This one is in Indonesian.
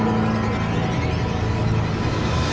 aku sudah berusaha untuk menghentikanmu